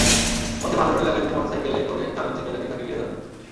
পথে মাজার রোড এলাকায় দুটি মোটরসাইকেলে করে চারজন ছিনতাইকারী তাঁকে ঘিরে ধরে।